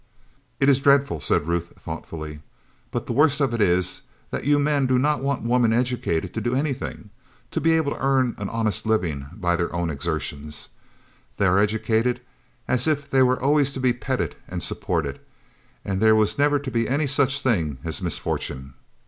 "It is dreadful," said Ruth, thoughtfully, "but the worst of it is that you men do not want women educated to do anything, to be able to earn an honest living by their own exertions. They are educated as if they were always to be petted and supported, and there was never to be any such thing as misfortune.